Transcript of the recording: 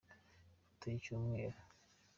Ifoto y’Icyumweru